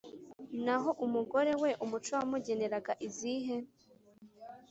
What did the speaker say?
Naho umugore we umuco wamugeneraga izihe?